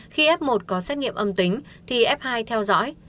khi f một có xét nghiệm âm tính thì f hai theo dõi